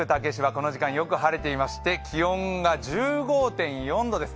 この時間よく晴れていまして気温が１５．４度です。